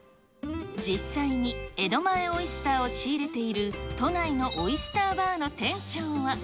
実際に、江戸前オイスターを仕入れている都内のオイスターバーの店長は。